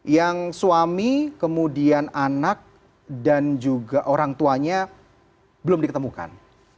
yang suami kemudian anak dan juga orang tuanya belum diketemukan